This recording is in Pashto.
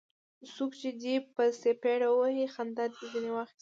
څوک چي دي په څپېړه ووهي؛ خندا دي ځني واخسته.